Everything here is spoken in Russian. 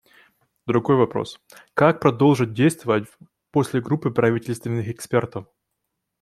Другой вопрос: как продолжить действовать после группы правительственных экспертов?